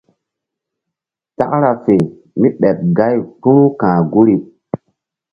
Takra fe mí ɓeɓ gay kpu̧ru ka̧h guri.